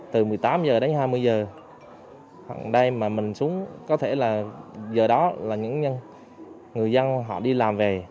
từ một mươi tám h đến hai mươi h hẳn đây mà mình xuống có thể là giờ đó là những người dân họ đi làm về